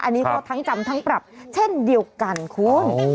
อันนี้ก็ทั้งจำทั้งปรับเช่นเดียวกันคุณ